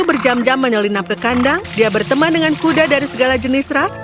berjam jam menyelinap ke kandang dia berteman dengan kuda dari segala jenis ras